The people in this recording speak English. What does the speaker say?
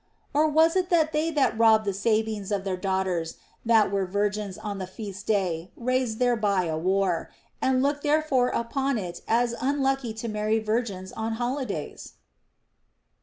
Or was it that they that robbed the Sabines of their daughters that were virgins on the feast day raised thereby a war, and looked therefore upon it as unlucky to marry virgins on holidays